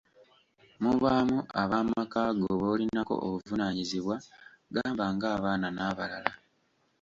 Mubaamu ab'amakaago b'olinako obuvunaanyizibwa gamba ng'abaana n'abalala.